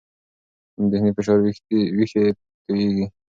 ذهني فشار وېښتې تویېږي.